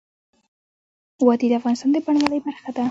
وادي د افغانستان د بڼوالۍ برخه ده.